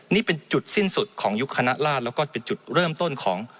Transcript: นี่เป็นจุดสิ้นสุดของยุคคณะราชแล้วก็เป็นจุดเริ่มต้นของ